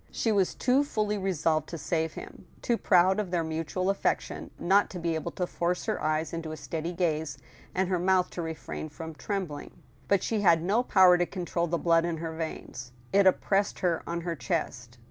She was too fully resolved to save him, too proud of their mutual affection, not to be able to force her eyes into a steady gaze, and her mouth to refrain from tt^mbling. But she had no power to control the blood in her veins. It op pressed her on her chest.